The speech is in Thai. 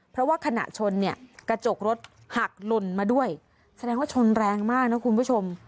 เพราะว่าขณะชนเนี่ยกระจกรถหักหล่นมาด้วยแสดงว่าชนแรงมากนะคุณผู้ชม